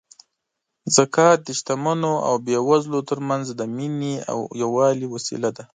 زکات د شتمنو او بېوزلو ترمنځ د مینې او یووالي وسیله ده.